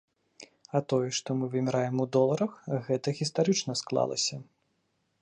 А тое, што мы вымяраем у доларах, гэта гістарычна склалася.